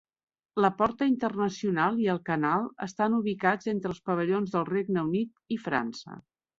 La Porta Internacional i el canal estan ubicats entre els pavellons del Regne Unit i França.